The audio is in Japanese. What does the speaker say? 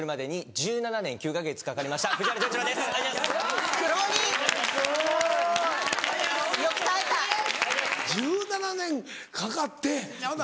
１７年かかってほな